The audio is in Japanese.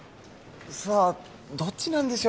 さあどっちなんでしょ